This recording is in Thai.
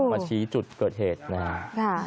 มาชี้จุดเกิดเหตุนะครับ